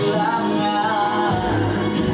kau tak mau ketik belakang